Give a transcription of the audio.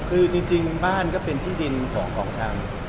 คือจริงบ้านก็เป็นที่ดินของทาง